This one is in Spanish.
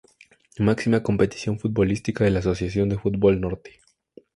Máxima competición futbolística de la Asociación de Fútbol Norte.